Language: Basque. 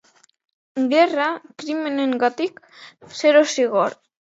Gerra krimenengatik, zero zigor.